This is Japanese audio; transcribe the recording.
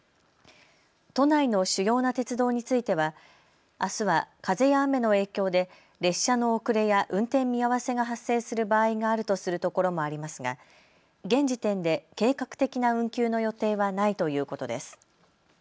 都内の主要な鉄道についてはあすは風や雨の影響で列車の遅れや運転見合わせが発生する場合があるとするところもありますが現時点で計画的な運休の予定はないということです。